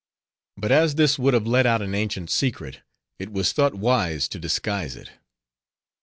But as this would have let out an ancient secret, it was thought wise to disguise it.